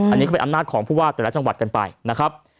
อันนี้ก็เป็นอำนาจของผู้ว่าแต่ละจังหวัดกันไปนะครับ